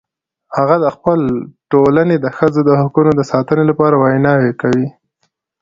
هغه د خپل ټولنې د ښځو د حقونو د ساتنې لپاره ویناوې کوي